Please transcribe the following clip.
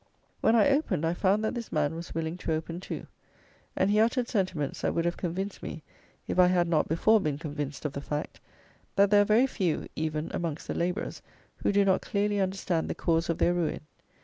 When I opened, I found that this man was willing to open too; and he uttered sentiments that would have convinced me, if I had not before been convinced of the fact, that there are very few, even amongst the labourers, who do not clearly understand the cause of their ruin.